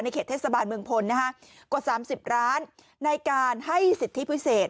เขตเทศบาลเมืองพลกว่า๓๐ล้านในการให้สิทธิพิเศษ